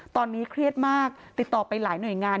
ตอนนี้เครียดมากติดต่อไปหลายหน่วยงาน